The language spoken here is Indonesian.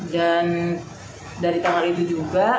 dan dari tanggal itu juga